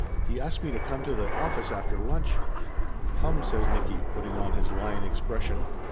"He asked me to come to the office after lunch." "Hum !" says Nicky, putting on his lion expression.